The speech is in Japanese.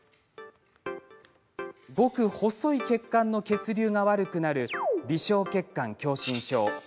ごく細い血管の血流が悪くなる微小血管狭心症。